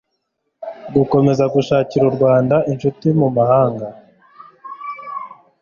gukomeza gushakira u rwanda inshuti mu mahanga